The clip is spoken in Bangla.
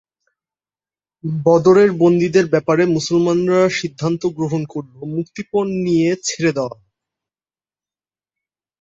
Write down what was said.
বদরের বন্দীদের ব্যাপারে মুসলমানরা সিদ্ধান্ত গ্রহণ করলো, মুক্তিপণ নিয়ে ছেড়ে দেওয়া হবে।